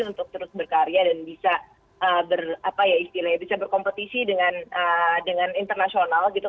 untuk terus berkarya dan bisa berkompetisi dengan internasional gitu